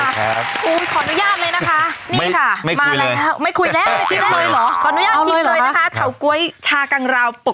สวัสดีครับ